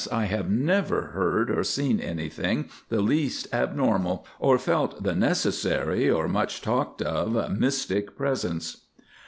I have never heard or seen anything the least abnormal, or felt the necessary, or much talked of mystic presence.